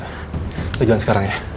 kita jalan sekarang ya